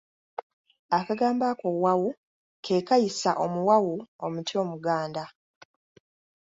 Akagambo ako wawu ke kayisa omuwawu omuti omuganda.